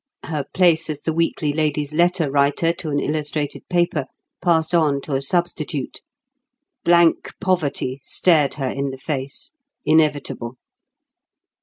Her place as the weekly lady's letter writer to an illustrated paper passed on to a substitute; blank poverty stared her in the face, inevitable.